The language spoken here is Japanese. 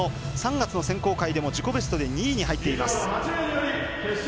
３月の選考会でも自己ベストで２位に入っています。